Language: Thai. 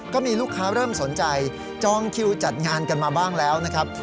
ก็มีลูกค้าเริ่มสนใจจองคิวจัดงานกันมาบ้างแล้วนะครับ